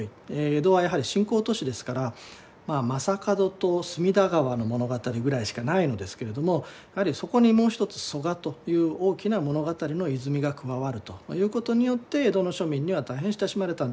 江戸はやはり新興都市ですから将門と隅田川の物語ぐらいしかないのですけれどもやはりそこにもう一つ曽我という大きな物語の泉が加わるということによって江戸の庶民には大変親しまれたんではないかと思います。